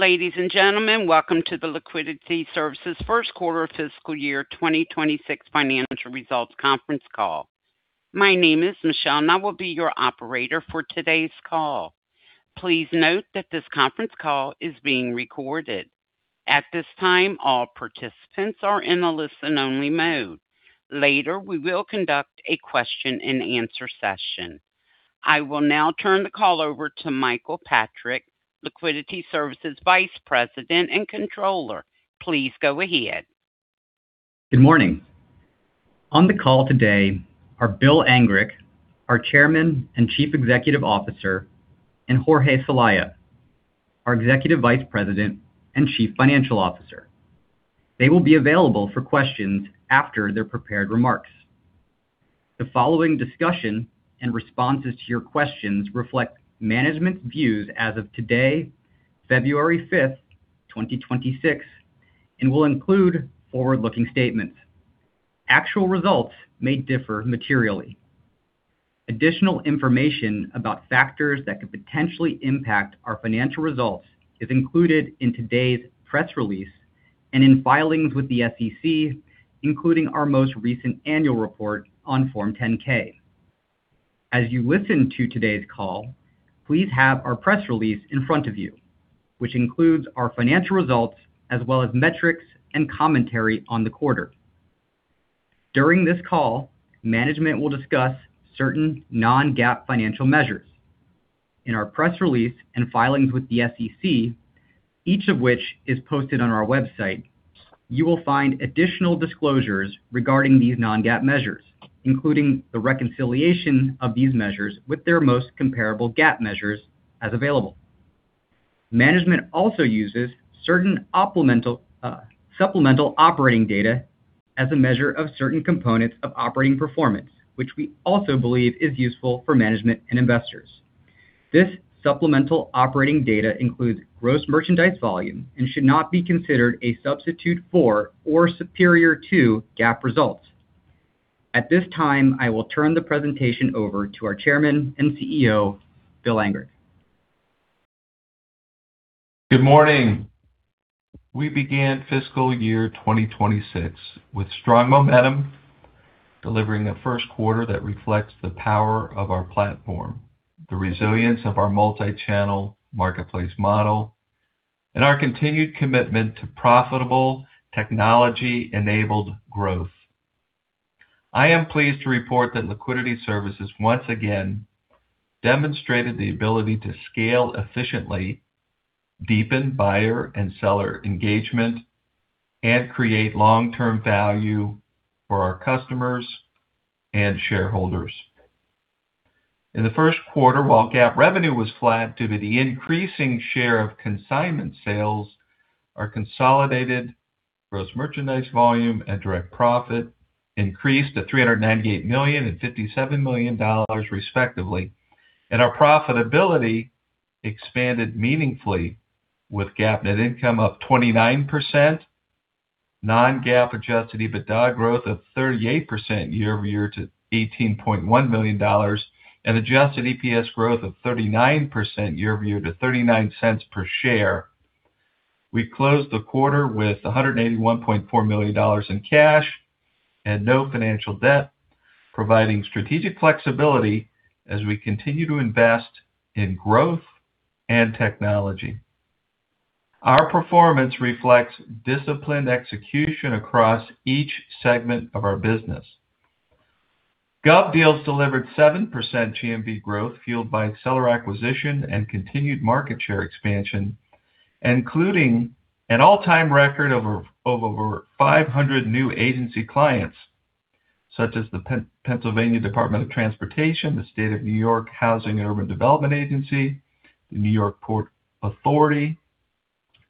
Ladies and gentlemen, welcome to the Liquidity Services Q1 fiscal year 2026 financial results conference call. My name is Michelle, and I will be your operator for today's call. Please note that this conference call is being recorded. At this time, all participants are in a listen-only mode. Later, we will conduct a question-and-answer session. I will now turn the call over to Michael Patrick, Liquidity Services Vice President and Controller. Please go ahead. Good morning. On the call today are Bill Angrick, our Chairman and Chief Executive Officer, and Jorge Celaya, our Executive Vice President and Chief Financial Officer. They will be available for questions after their prepared remarks. The following discussion and responses to your questions reflect management's views as of today, February fifth, 2026, and will include forward-looking statements. Actual results may differ materially. Additional information about factors that could potentially impact our financial results is included in today's press release and in filings with the SEC, including our most recent annual report on Form 10-K. As you listen to today's call, please have our press release in front of you, which includes our financial results as well as metrics and commentary on the quarter. During this call, management will discuss certain non-GAAP financial measures. In our press release and filings with the SEC, each of which is posted on our website, you will find additional disclosures regarding these non-GAAP measures, including the reconciliation of these measures with their most comparable GAAP measures as available. Management also uses certain supplemental operating data as a measure of certain components of operating performance, which we also believe is useful for management and investors. This supplemental operating data includes gross merchandise volume and should not be considered a substitute for or superior to GAAP results. At this time, I will turn the presentation over to our Chairman and CEO, Bill Angrick. Good morning. We began fiscal year 2026 with strong momentum, delivering a Q1 that reflects the power of our platform, the resilience of our multi-channel marketplace model, and our continued commitment to profitable technology-enabled growth. I am pleased to report that Liquidity Services once again demonstrated the ability to scale efficiently, deepen buyer and seller engagement, and create long-term value for our customers and shareholders. In the Q1, while GAAP revenue was flat due to the increasing share of consignment sales, our consolidated gross merchandise volume and direct profit increased to $398 million and $57 million, respectively. Our profitability expanded meaningfully, with GAAP net income up 29%, non-GAAP Adjusted EBITDA growth of 38% year over year to $18.1 million, and adjusted EPS growth of 39% year over year to 39 cents per share. We closed the quarter with $181.4 million in cash and no financial debt, providing strategic flexibility as we continue to invest in growth and technology. Our performance reflects disciplined execution across each segment of our business. GovDeals delivered 7% GMV growth, fueled by seller acquisition and continued market share expansion, including an all-time record of over 500 new agency clients, such as the Pennsylvania Department of Transportation, the State of New York Housing and Urban Development Agency, the New York Port Authority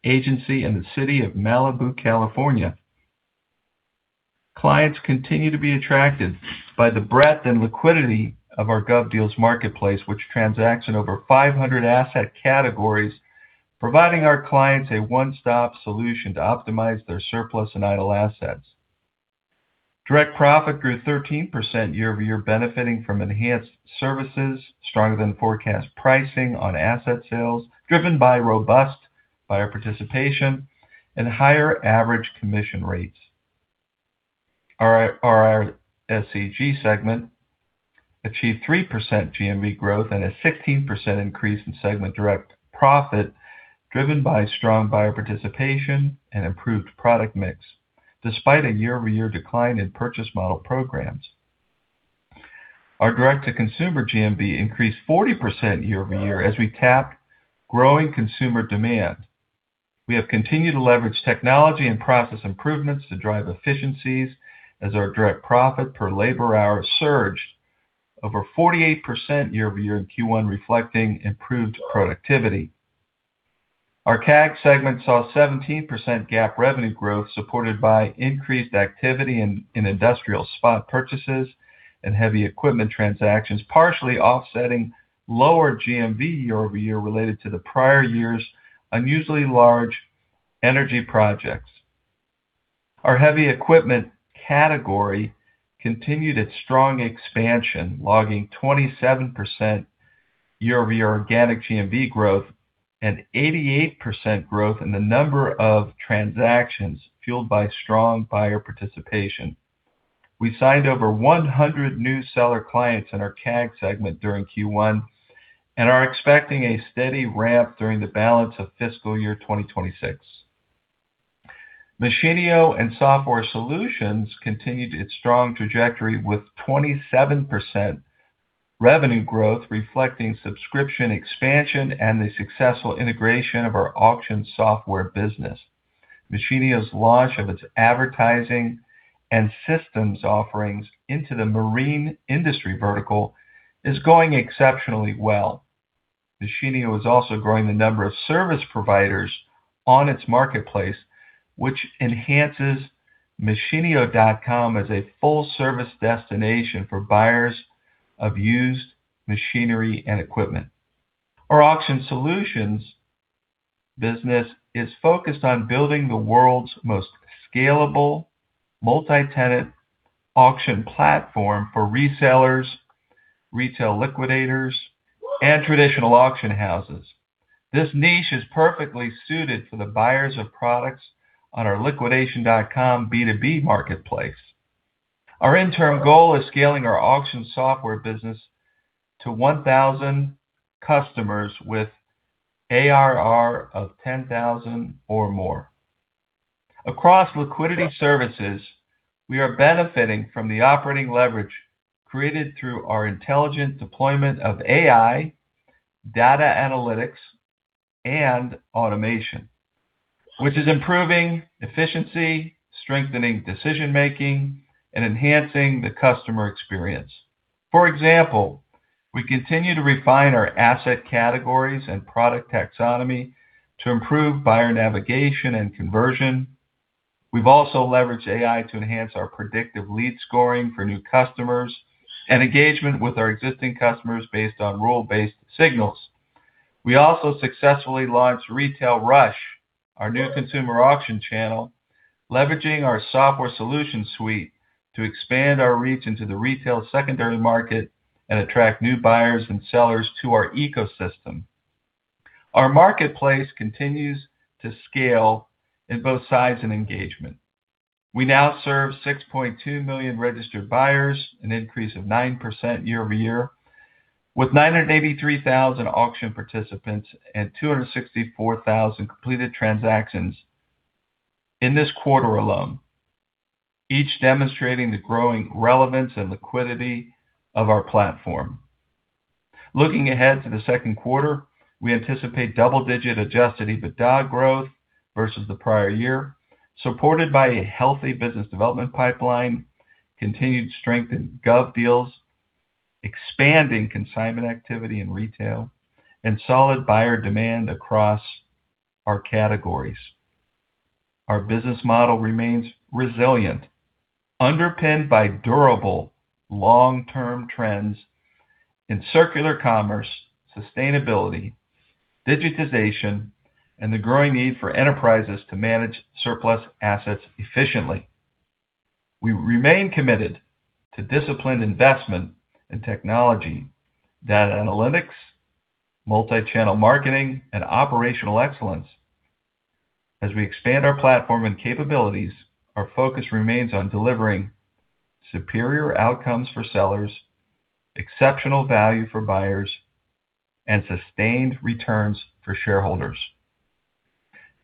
Agency, and the City of Malibu, California. Clients continue to be attracted by the breadth and liquidity of our GovDeals marketplace, which transacts in over 500 asset categories, providing our clients a one-stop solution to optimize their surplus and idle assets. Direct profit grew 13% year-over-year, benefiting from enhanced services, stronger than forecast pricing on asset sales, driven by robust buyer participation and higher average commission rates. Our RSCG segment achieved 3% GMV growth and a 16% increase in segment direct profit, driven by strong buyer participation and improved product mix, despite a year-over-year decline in purchase model programs. Our direct-to-consumer GMV increased 40% year-over-year as we tapped growing consumer demand. We have continued to leverage technology and process improvements to drive efficiencies as our direct profit per labor hour surged over 48% year-over-year in Q1, reflecting improved productivity. Our CAG segment saw 17% GAAP revenue growth, supported by increased activity in industrial spot purchases and heavy equipment transactions, partially offsetting lower GMV year-over-year related to the prior year's unusually large energy projects. Our heavy equipment category continued its strong expansion, logging 27% year-over-year organic GMV growth and 88% growth in the number of transactions, fueled by strong buyer participation. We signed over 100 new seller clients in our CAG segment during Q1, and are expecting a steady ramp during the balance of fiscal year 2026. Machinio and Software Solutions continued its strong trajectory, with 27% revenue growth, reflecting subscription expansion and the successful integration of our auction software business. Machinio's launch of its advertising and systems offerings into the marine industry vertical is going exceptionally well. Machinio is also growing the number of service providers on its marketplace, which enhances Machinio.com as a full-service destination for buyers of used machinery and equipment. Our auction solutions business is focused on building the world's most scalable, multi-tenant auction platform for resellers, retail liquidators, and traditional auction houses. This niche is perfectly suited for the buyers of products on our Liquidation.com B2B marketplace. Our interim goal is scaling our auction software business to 1,000 customers with ARR of $10,000 or more. Across Liquidity Services, we are benefiting from the operating leverage created through our intelligent deployment of AI, data analytics, and automation, which is improving efficiency, strengthening decision-making, and enhancing the customer experience. For example, we continue to refine our asset categories and product taxonomy to improve buyer navigation and conversion. We've also leveraged AI to enhance our predictive lead scoring for new customers, and engagement with our existing customers based on role-based signals. We also successfully launched Retail Rush, our new consumer auction channel, leveraging our software solution suite to expand our reach into the retail secondary market and attract new buyers and sellers to our ecosystem. Our marketplace continues to scale in both sides and engagement. We now serve 6.2 million registered buyers, an increase of 9% year-over-year, with 983,000 auction participants and 264,000 completed transactions in this quarter alone, each demonstrating the growing relevance and liquidity of our platform. Looking ahead to the Q2, we anticipate double-digit Adjusted EBITDA growth versus the prior year, supported by a healthy business development pipeline, continued strength in GovDeals, expanding consignment activity in retail, and solid buyer demand across our categories. Our business model remains resilient, underpinned by durable, long-term trends in Circular Commerce, sustainability, digitization, and the growing need for enterprises to manage surplus assets efficiently. We remain committed to disciplined investment in technology, data analytics, multi-channel marketing, and operational excellence. As we expand our platform and capabilities, our focus remains on delivering superior outcomes for sellers, exceptional value for buyers, and sustained returns for shareholders.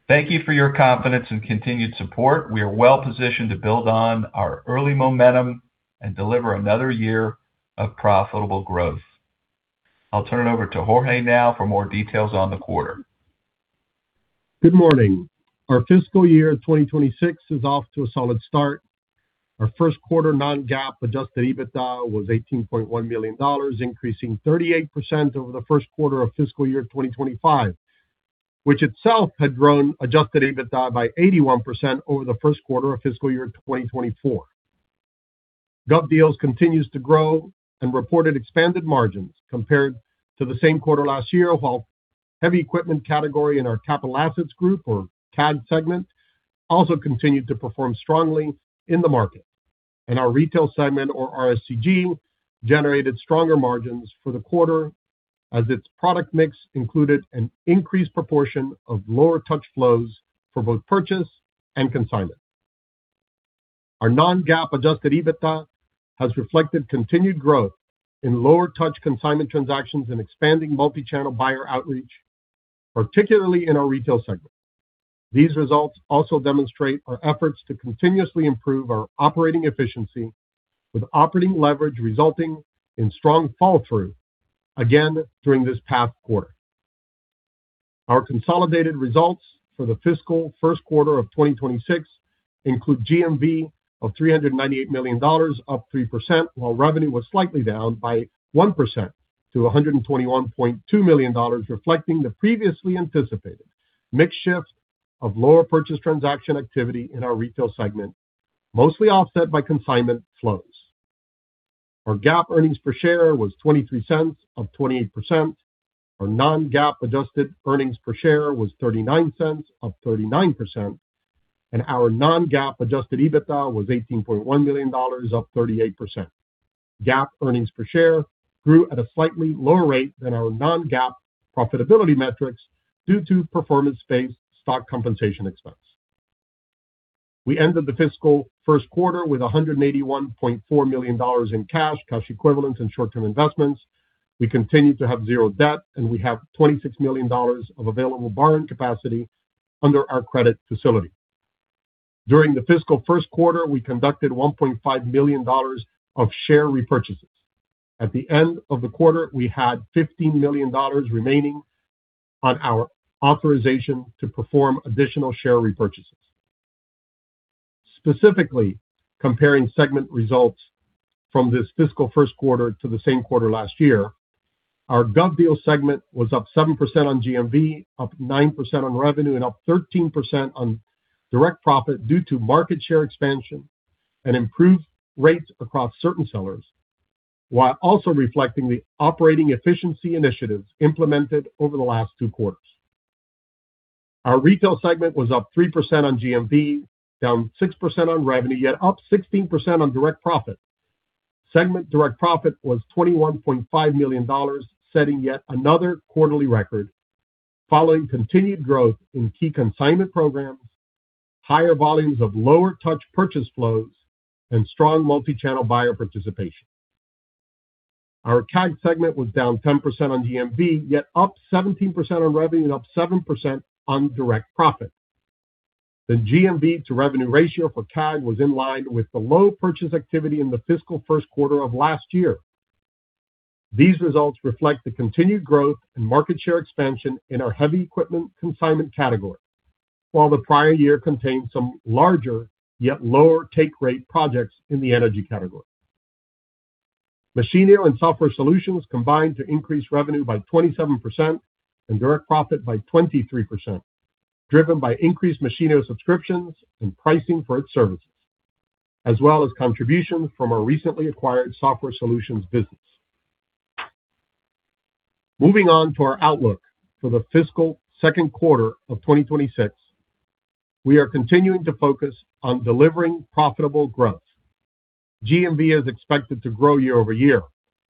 Thank you for your confidence and continued support. We are well-positioned to build on our early momentum and deliver another year of profitable growth. I'll turn it over to Jorge now for more details on the quarter. Good morning. Our fiscal year 2026 is off to a solid start. Our Q1 non-GAAP Adjusted EBITDA was $18.1 million, increasing 38% over the Q1 of fiscal year 2025, which itself had grown Adjusted EBITDA by 81% over the Q1 of fiscal year 2024. GovDeals continues to grow and reported expanded margins compared to the same quarter last year, while heavy equipment category in our capital assets group, or CAG segment, also continued to perform strongly in the market. Our retail segment, or RSCG, generated stronger margins for the quarter as its product mix included an increased proportion of lower touch flows for both purchase and consignment. Our non-GAAP Adjusted EBITDA has reflected continued growth in lower touch consignment transactions and expanding multichannel buyer outreach, particularly in our retail segment. These results also demonstrate our efforts to continuously improve our operating efficiency, with operating leverage resulting in strong follow-through again during this past quarter. Our consolidated results for the fiscal Q1 of 2026 include GMV of $398 million, up 3%, while revenue was slightly down by 1% to $121.2 million, reflecting the previously anticipated mix shift of lower purchase transaction activity in our retail segment, mostly offset by consignment flows. Our GAAP earnings per share was $0.23, up 28%. Our non-GAAP adjusted earnings per share was $0.39, up 39%, and our non-GAAP Adjusted EBITDA was $18.1 million, up 38%. GAAP earnings per share grew at a slightly lower rate than our non-GAAP profitability metrics due to performance-based stock compensation expense. We ended the fiscal Q1 with $181.4 million in cash, cash equivalents, and short-term investments. We continue to have zero debt, and we have $26 million of available borrowing capacity under our credit facility. During the fiscal Q1, we conducted $1.5 million of share repurchases. At the end of the quarter, we had $15 million remaining on our authorization to perform additional share repurchases. Specifically, comparing segment results from this fiscal Q1 to the same quarter last year, our GovDeals segment was up 7% on GMV, up 9% on revenue, and up 13% on direct profit due to market share expansion and improved rates across certain sellers, while also reflecting the operating efficiency initiatives implemented over the last two quarters. Our retail segment was up 3% on GMV, down 6% on revenue, yet up 16% on direct profit. Segment direct profit was $21.5 million, setting yet another quarterly record, following continued growth in key consignment programs, higher volumes of lower touch purchase flows, and strong multi-channel buyer participation. Our CAG segment was down 10% on GMV, yet up 17% on revenue and up 7% on direct profit. The GMV to revenue ratio for CAG was in line with the low purchase activity in the fiscal Q1 of last year. These results reflect the continued growth and market share expansion in our heavy equipment consignment category, while the prior year contained some larger, yet lower take rate projects in the energy category. Machinio and Software Solutions combined to increase revenue by 27% and direct profit by 23%, driven by increased Machinio subscriptions and pricing for its services, as well as contributions from our recently acquired Software Solutions business. Moving on to our outlook for the fiscal Q2 of 2026, we are continuing to focus on delivering profitable growth. GMV is expected to grow year-over-year.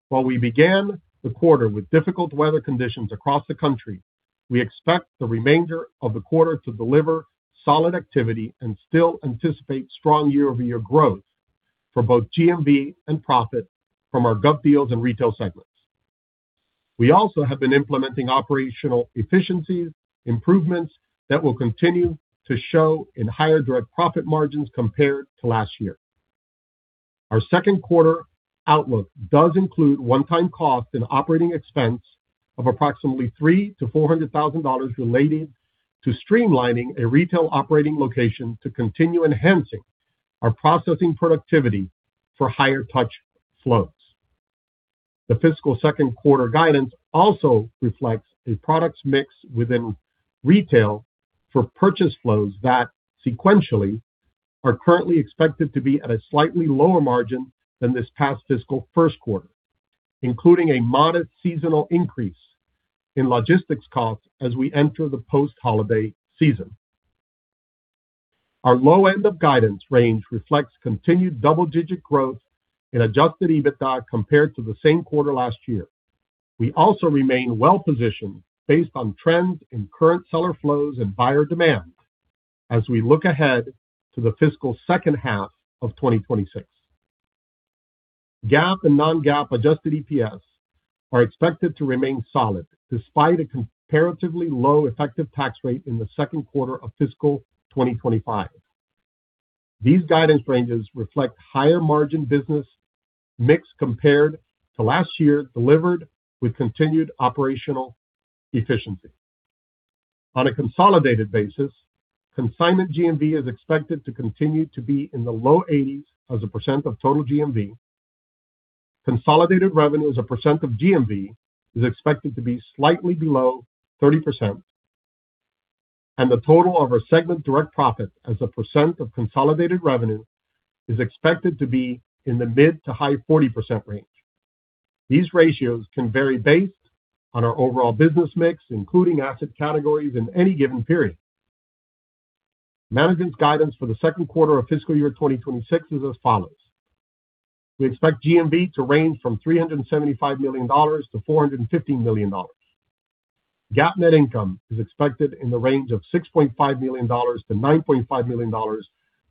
While we began the quarter with difficult weather conditions across the country, we expect the remainder of the quarter to deliver solid activity and still anticipate strong year-over-year growth for both GMV and profit from our GovDeals and retail segments. We also have been implementing operational efficiencies, improvements that will continue to show in higher direct profit margins compared to last year. Our Q2 outlook does include one-time cost and operating expense of approximately $300,000-$400,000 related to streamlining a retail operating location to continue enhancing our processing productivity for higher touch flows. The fiscal Q2 guidance also reflects a product mix within retail for purchase flows that sequentially are currently expected to be at a slightly lower margin than this past fiscal Q1, including a modest seasonal increase in logistics costs as we enter the post-holiday season. Our low end of guidance range reflects continued double-digit growth in Adjusted EBITDA compared to the same quarter last year. We also remain well positioned based on trends in current seller flows and buyer demand as we look ahead to the fiscal second half of 2026. GAAP and non-GAAP adjusted EPS are expected to remain solid, despite a comparatively low effective tax rate in the Q2 of fiscal 2025. These guidance ranges reflect higher margin business mix compared to last year, delivered with continued operational efficiency. On a consolidated basis, consignment GMV is expected to continue to be in the low 80s% of total GMV. Consolidated revenue as a percent of GMV is expected to be slightly below 30%, and the total of our segment direct profit as a percent of consolidated revenue is expected to be in the mid- to high-40% range. These ratios can vary based on our overall business mix, including asset categories in any given period. Management's guidance for the Q2 of fiscal year 2026 is as follows: We expect GMV to range from $375 million-$450 million. GAAP net income is expected in the range of $6.5 million-$9.5 million,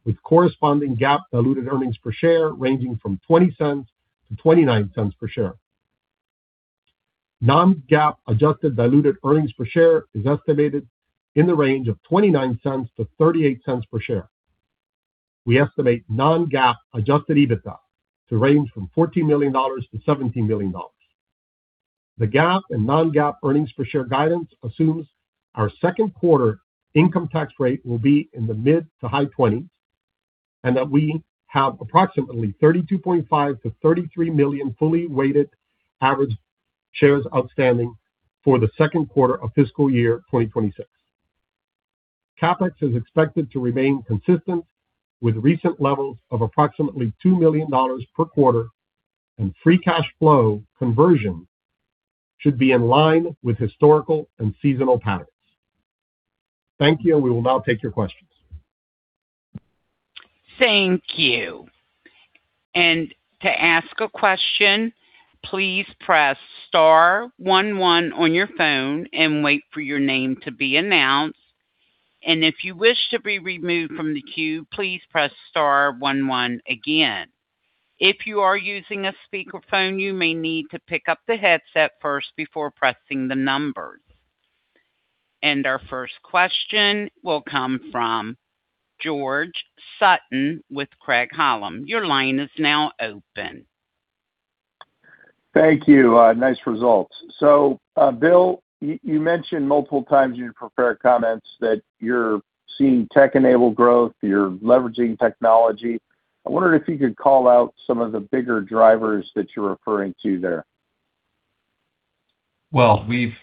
with corresponding GAAP diluted earnings per share ranging from $0.20-$0.29 per share. Non-GAAP adjusted diluted earnings per share is estimated in the range of $0.29-$0.38 per share. We estimate non-GAAP adjusted EBITDA to range from $14 million-$17 million. The GAAP and non-GAAP earnings per share guidance assumes our Q2 income tax rate will be in the mid- to high-20s and that we have approximately 32.5-33 million fully weighted average shares outstanding for the Q2 of fiscal year 2026. CapEx is expected to remain consistent with recent levels of approximately $2 million per quarter, and free cash flow conversion should be in line with historical and seasonal patterns. Thank you, and we will now take your questions. Thank you. To ask a question, please press star one one on your phone and wait for your name to be announced. If you wish to be removed from the queue, please press star one one again. If you are using a speakerphone, you may need to pick up the headset first before pressing the numbers. Our first question will come from George Sutton with Craig-Hallum. Your line is now open. Thank you. Nice results. So, Bill, you mentioned multiple times in your prepared comments that you're seeing tech-enabled growth, you're leveraging technology. I wondered if you could call out some of the bigger drivers that you're referring to there. Well, we've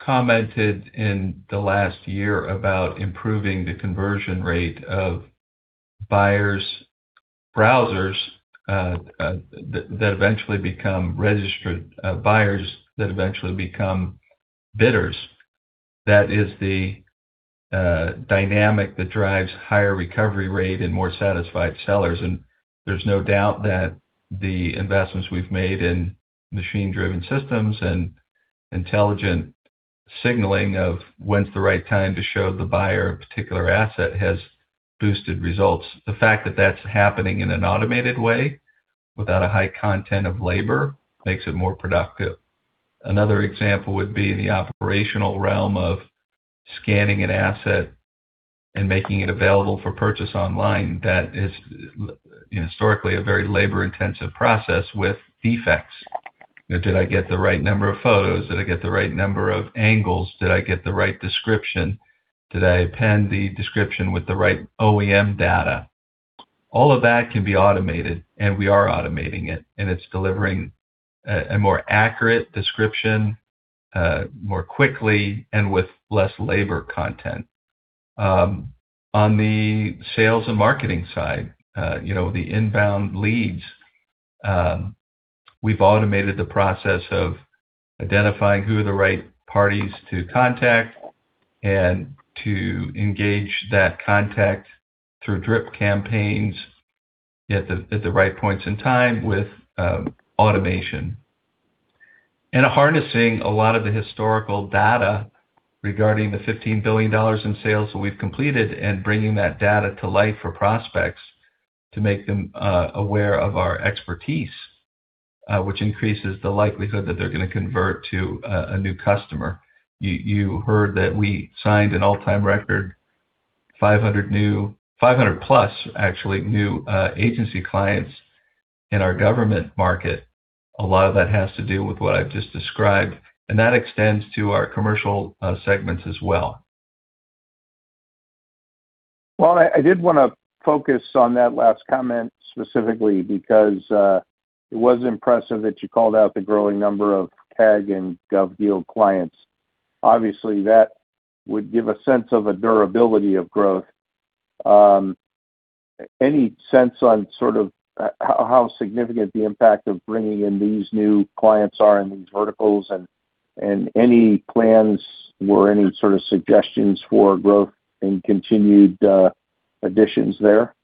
commented in the last year about improving the conversion rate of buyers, browsers, that, that eventually become registered, buyers, that eventually become bidders. That is the dynamic that drives higher recovery rate and more satisfied sellers. And there's no doubt that the investments we've made in machine-driven systems and intelligent signaling of when's the right time to show the buyer a particular asset has boosted results. The fact that that's happening in an automated way without a high content of labor makes it more productive. Another example would be in the operational realm of scanning an asset and making it available for purchase online. That is historically, a very labor-intensive process with defects. Did I get the right number of photos? Did I get the right number of angles? Did I get the right description? Did I append the description with the right OEM data? All of that can be automated, and we are automating it, and it's delivering a more accurate description more quickly and with less labor content. On the sales and marketing side, you know, the inbound leads, we've automated the process of identifying who are the right parties to contact and to engage that contact through drip campaigns at the right points in time with automation. And harnessing a lot of the historical data regarding the $15 billion in sales that we've completed and bringing that data to life for prospects to make them aware of our expertise, which increases the likelihood that they're gonna convert to a new customer. You heard that we signed an all-time record, 500 plus, actually, new agency clients in our government market. A lot of that has to do with what I've just described, and that extends to our commercial segments as well. Well, I did wanna focus on that last comment specifically because it was impressive that you called out the growing number of CAG and GovDeals clients. Obviously, that would give a sense of a durability of growth. Any sense on sort of how significant the impact of bringing in these new clients are in these verticals and any plans or any sort of suggestions for growth and continued additions there?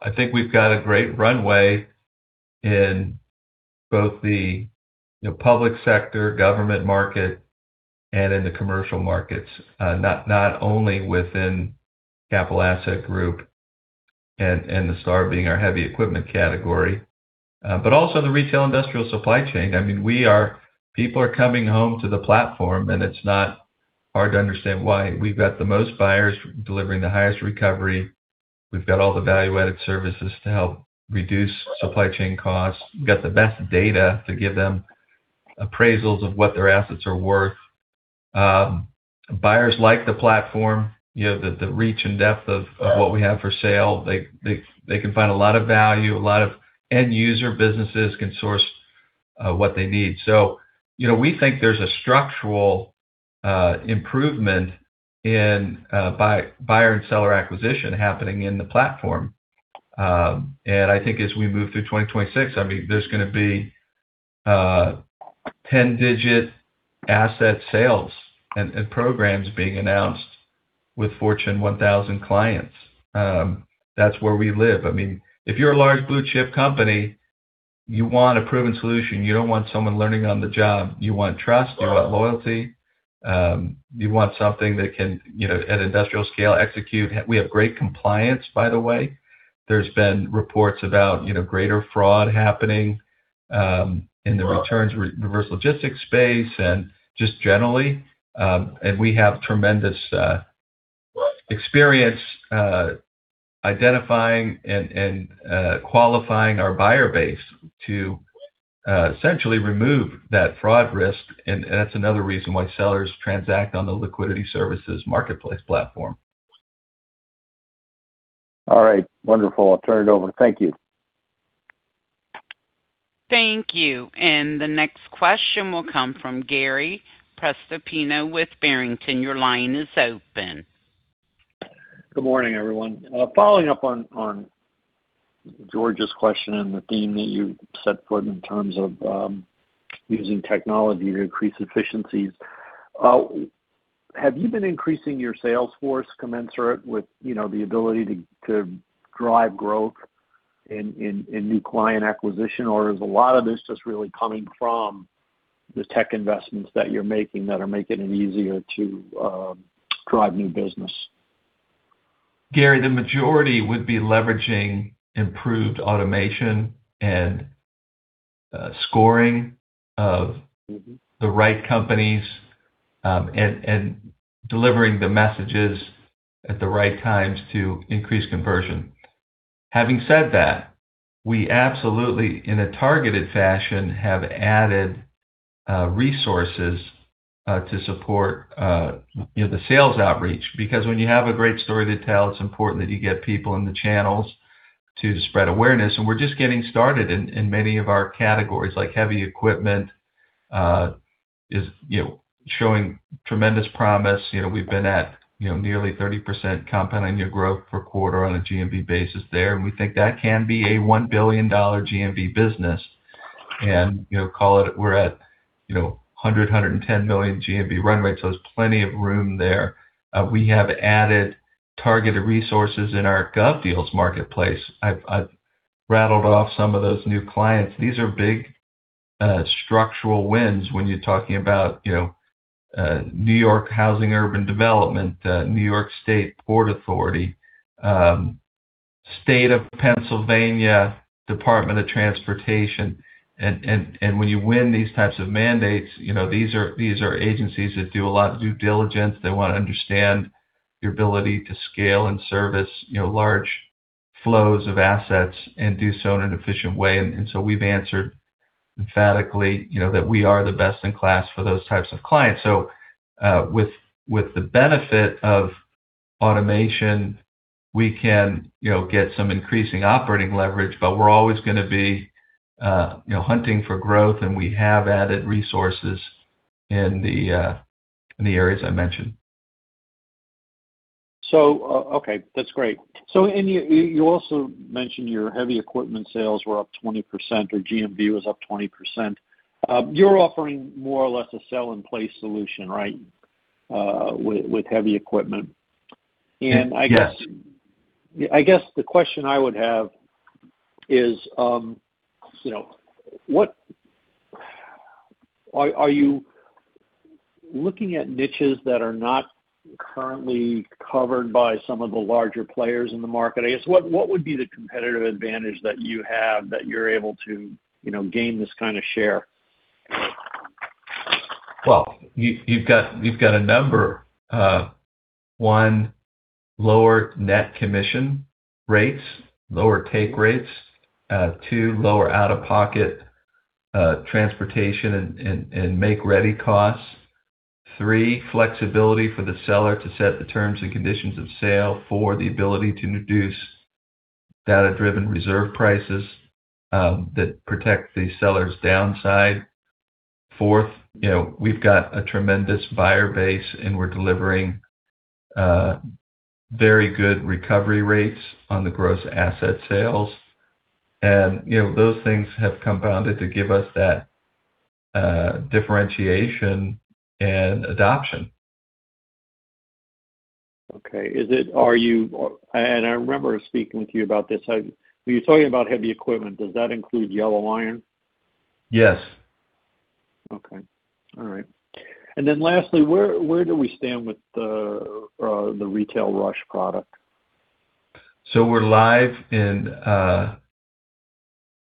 I think we've got a great runway in both the, you know, public sector, government market and in the commercial markets, not only within Capital Assets Group and the star being our heavy equipment category, but also the retail industrial supply chain. I mean, people are coming home to the platform, and it's not hard to understand why. We've got the most buyers delivering the highest recovery. We've got all the value-added services to help reduce supply chain costs. We've got the best data to give them appraisals of what their assets are worth. Buyers like the platform, you know, the reach and depth of what we have for sale. They can find a lot of value. A lot of end user businesses can source what they need. You know, we think there's a structural improvement in buyer and seller acquisition happening in the platform. And I think as we move through 2026, I mean, there's gonna be 10-digit asset sales and programs being announced with Fortune 1,000 clients. That's where we live. I mean, if you're a large blue chip company, you want a proven solution. You don't want someone learning on the job. You want trust, you want loyalty, you want something that can, you know, at industrial scale, execute. We have great compliance, by the way. There's been reports about, you know, greater fraud happening in the returns, reverse logistics space and just generally. We have tremendous experience identifying and qualifying our buyer base to essentially remove that fraud risk, and that's another reason why sellers transact on the Liquidity Services marketplace platform. All right. Wonderful. I'll turn it over. Thank you. Thank you. The next question will come from Gary Prestopino with Barrington. Your line is open. Good morning, everyone. Following up on George's question and the theme that you set forth in terms of using technology to increase efficiencies. Have you been increasing your sales force commensurate with, you know, the ability to drive growth in new client acquisition? Or is a lot of this just really coming from the tech investments that you're making that are making it easier to drive new business? Gary, the majority would be leveraging improved automation and, scoring of- Mm-hmm. the right companies, and delivering the messages at the right times to increase conversion. Having said that, we absolutely, in a targeted fashion, have added resources to support, you know, the sales outreach. Because when you have a great story to tell, it's important that you get people in the channels to spread awareness, and we're just getting started in many of our categories, like heavy equipment, is, you know, showing tremendous promise. You know, we've been at, you know, nearly 30% compound annual growth per quarter on a GMV basis there, and we think that can be a $1 billion GMV business. And, you know, call it, we're at, you know, 110 million GMV run rate, so there's plenty of room there. We have added targeted resources in our GovDeals marketplace. I've rattled off some of those new clients. These are big, structural wins when you're talking about, you know, New York Housing and Urban Development, New York State Port Authority, State of Pennsylvania, Department of Transportation. And when you win these types of mandates, you know, these are agencies that do a lot of due diligence. They wanna understand your ability to scale and service, you know, large flows of assets and do so in an efficient way. And so we've answered emphatically, you know, that we are the best in class for those types of clients. So, with the benefit of automation, we can, you know, get some increasing operating leverage, but we're always gonna be, you know, hunting for growth, and we have added resources in the areas I mentioned. So, okay, that's great. So, you also mentioned your heavy equipment sales were up 20%, or GMV was up 20%. You're offering more or less a sell-in-place solution, right, with heavy equipment? Yes. I guess the question I would have is, you know, are you looking at niches that are not currently covered by some of the larger players in the market? I guess, what would be the competitive advantage that you have that you're able to, you know, gain this kind of share? Well, you've got a number. 1, lower net commission rates, lower take rates. 2, lower out-of-pocket transportation and make-ready costs. 3, flexibility for the seller to set the terms and conditions of sale. 4, the ability to introduce data-driven reserve prices that protect the seller's downside. Fourth, you know, we've got a tremendous buyer base, and we're delivering very good recovery rates on the gross asset sales. And, you know, those things have compounded to give us that differentiation and adoption. Okay. Is it? Are you... I remember speaking with you about this. So you're talking about heavy equipment, does that include yellow iron? Yes. Okay. All right. And then lastly, where, where do we stand with the, the Retail Rush product? So we're live in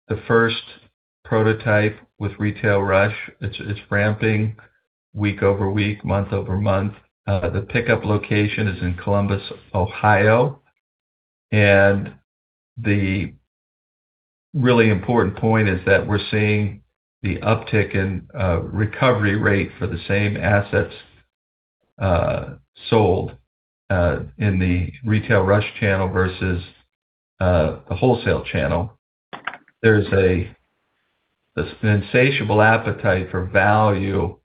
the first prototype with Retail Rush. It's ramping week over week, month over month. The pickup location is in Columbus, Ohio. And the really important point is that we're seeing the uptick in recovery rate for the same assets sold in the Retail Rush channel versus the wholesale channel. There's this insatiable appetite for value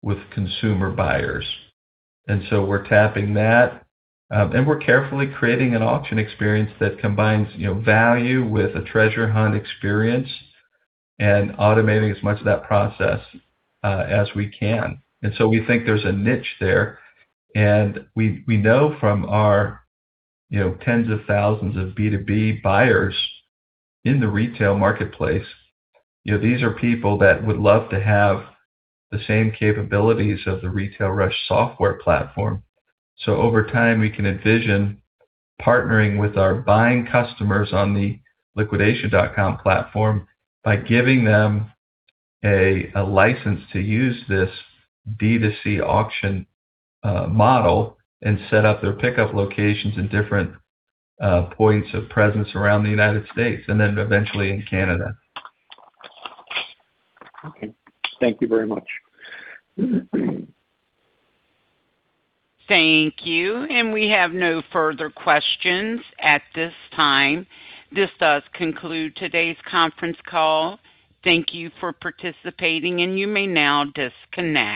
with consumer buyers, and so we're tapping that. And we're carefully creating an auction experience that combines, you know, value with a treasure hunt experience, and automating as much of that process as we can. And so we think there's a niche there, and we know from our, you know, tens of thousands of B2B buyers in the retail marketplace, you know, these are people that would love to have the same capabilities as the Retail Rush software platform. So over time, we can envision partnering with our buying customers on the Liquidation.com platform by giving them a license to use this B2C auction model and set up their pickup locations in different points of presence around the United States, and then eventually in Canada. Okay. Thank you very much. Thank you, and we have no further questions at this time. This does conclude today's conference call. Thank you for participating, and you may now disconnect.